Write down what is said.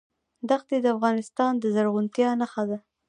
ښتې د افغانستان د زرغونتیا نښه ده.